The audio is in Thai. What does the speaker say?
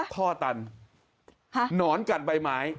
ท่อตันหนอนกัดใบไม้